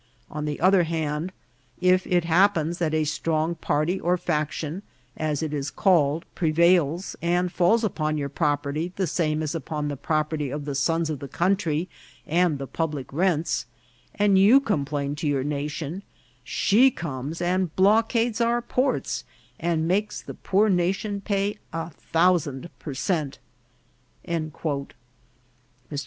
On the other hand, if it happens that a strong party or faction, as it is called, prevails, and falls upon your property the same as upon the property of the sons of the country and the public rents, and you complain to your nation, she comes and blockades our ports, and makes the poor na tion pay a thousand per cent." Mr.